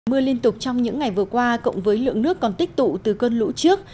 mưa liên tục trong những ngày vừa qua cộng với lượng nước còn tích tụ từ cơn lũ trước